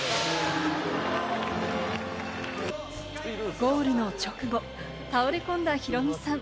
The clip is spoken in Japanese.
ゴールの直後、倒れ込んだヒロミさん。